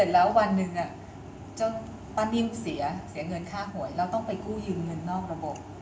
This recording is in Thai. แล้วเวลานึงเจ้านิ่มก็เสียเงินฆ่าหวยเราไปกู้ยืมเงินะอกระบบ